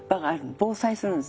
防災するんです。